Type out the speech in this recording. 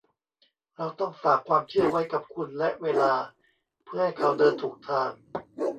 เราต้องฝากความเชื่อไว้กับคุณและเวลาเพื่อให้เขาเดินถูกทาง